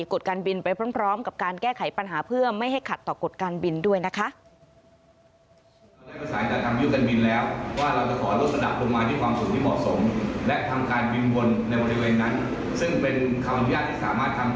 กฎการบินไปพร้อมกับการแก้ไขปัญหาเพื่อไม่ให้ขัดต่อกฎการบินด้วยนะคะ